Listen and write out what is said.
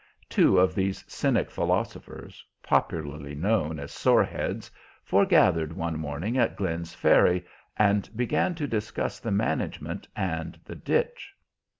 Two of these cynic philosophers, popularly known as sore heads, foregathered one morning at Glenn's Ferry and began to discuss the management and the ditch.